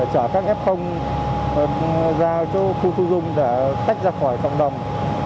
chở các f ra khu thu dung để tách ra khỏi cộng đồng